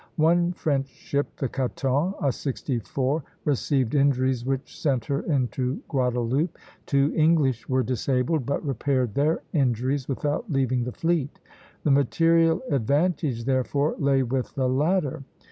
One French ship, the "Caton," a sixty four (d), received injuries which sent her into Guadeloupe; two English were disabled, but repaired their injuries without leaving the fleet. The material advantage, therefore, lay with the latter.